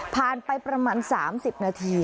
ไปประมาณ๓๐นาที